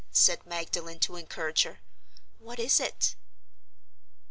said Magdalen, to encourage her: "what is it?"